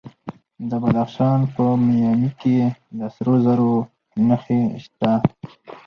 د بدخشان په مایمي کې د سرو زرو نښې شته.